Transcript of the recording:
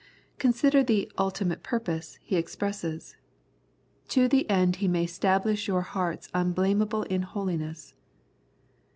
Consider the ultimate purpose he expresses —" To the end He may stablish your hearts unblameable in holiness."